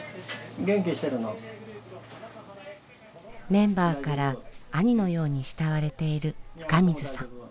メンバーから兄のように慕われている深水さん。